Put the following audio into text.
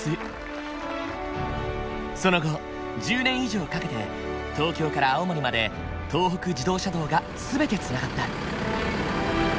その後１０年以上かけて東京から青森まで東北自動車道が全てつながった。